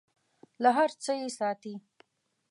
له هر څه یې ساتي .